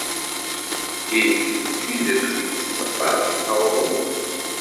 Dean d tidet ittett aṭas, neɣ uhu?